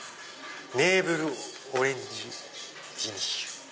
ネーブルオレンジデニッシュ。